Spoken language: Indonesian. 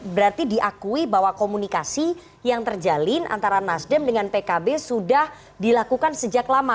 berarti diakui bahwa komunikasi yang terjalin antara nasdem dengan pkb sudah dilakukan sejak lama